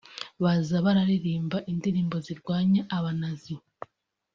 Baza bararirimba indirimbo zirwanya aba Nazi